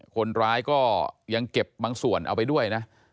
คนร้ายก็ยังเก็บบางส่วนเอาไปด้วยนะ